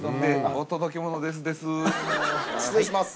失礼します。